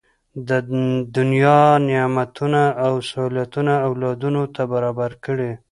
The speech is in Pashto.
دنیا نعمتونه او سهولتونه اولادونو ته برابر کړي.